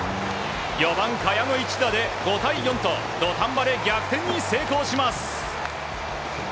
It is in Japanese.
４番、賀谷の一打で５対４と土壇場で逆転に成功します。